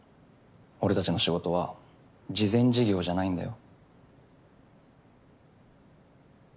俺たちの仕事は慈善事業じゃないんだよ？